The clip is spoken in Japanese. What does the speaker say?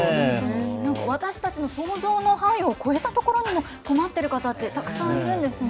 なんか私たちの想像の範囲を超えたところにも、困ってる方ってたくさんいるんですね。